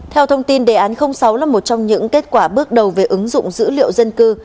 theo thông tin đề án sáu là một trong những kết quả bước đầu về ứng dụng dữ liệu dân cư